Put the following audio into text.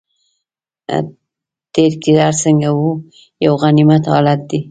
تېر که هر څنګه و یو غنیمت حالت دی.